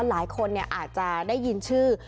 หลายคนอาจจะได้ยินชื่อ